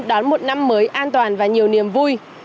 đón một năm mới an toàn và nhiều niềm vui